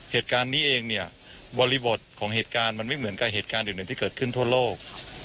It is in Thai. เหตุการณ์นี้เองเนี่ยบริบทของเหตุการณ์มันไม่เหมือนกับเหตุการณ์อื่นที่เกิดขึ้นทั่วโลก